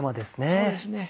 そうですね。